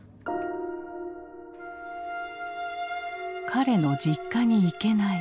彼の実家に行けない。